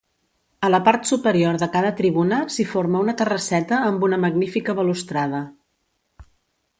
A la part superior de cada tribuna s'hi forma una terrasseta amb una magnífica balustrada.